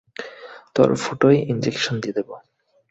তোর ফুটোয় ইঞ্জেকশন দিয়ে দেব!